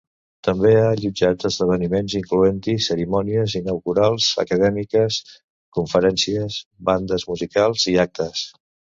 També ha allotjat esdeveniments, incloent-hi cerimònies inaugurals acadèmiques, conferències, bandes musicals i actes.